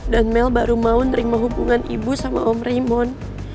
dan mel baru mau nerima hubungan ibu sama om raymond